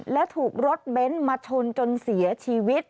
และถูกรถเบ้นมาชนจนเสียชีวิต